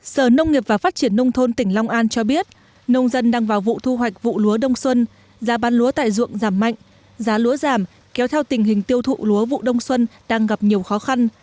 sở nông nghiệp và phát triển nông thôn tỉnh long an cho biết nông dân đang vào vụ thu hoạch vụ lúa đông xuân giá bán lúa tại ruộng giảm mạnh giá lúa giảm kéo theo tình hình tiêu thụ lúa vụ đông xuân đang gặp nhiều khó khăn